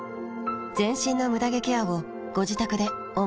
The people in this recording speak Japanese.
全身のムダ毛ケアをご自宅で思う存分。